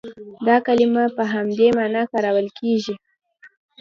دا کلمه په همدې معنا کارول کېږي.